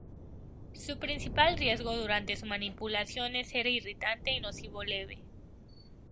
Su principal riesgo durante su manipulación es ser irritante y nocivo leve.